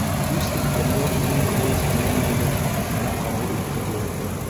Үс иткәндәй һинең поезд килер мәлдә генә ҡабул итте директор.